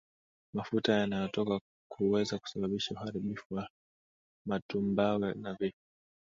Mafuta yanayotoka huweza kusababisha uharibifu wa matumbawe na vifo